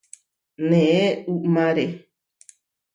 Neé uʼmáre.